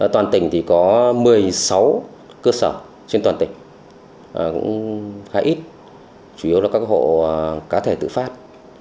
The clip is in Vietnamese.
toàn tỉnh thì có một mươi sáu cơ sở trên toàn tỉnh cũng khá ít chủ yếu là các hộ cá thể tự phát